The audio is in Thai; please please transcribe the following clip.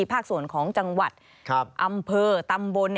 ภาคส่วนของจังหวัดอำเภอตำบล